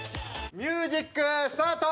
ミュージックスタート！